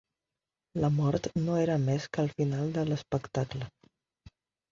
La mort no era més que el final de l'espectacle.